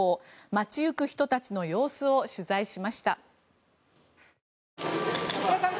街行く人たちの様子を取材しました。